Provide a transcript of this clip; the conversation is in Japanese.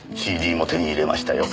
ＣＤも手に入れましたよ。